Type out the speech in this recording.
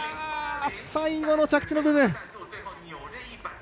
最後の着地の部分。